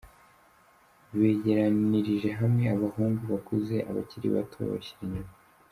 begeranirije hamwe abahungu bakuze, abakiri bato babashira inyuma.